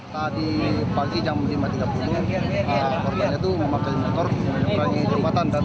pada pagi jam lima tiga puluh korban itu memakai motor